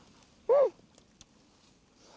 うん！